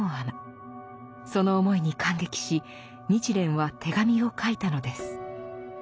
その思いに感激し日蓮は手紙を書いたのです。